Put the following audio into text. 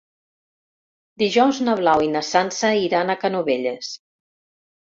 Dijous na Blau i na Sança iran a Canovelles.